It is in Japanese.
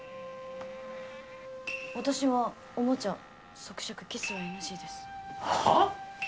私はおもちゃ即尺キスはＮＧです。はあ？